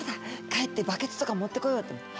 帰ってバケツとか持ってこようと思って。